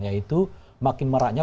yaitu makin merahnya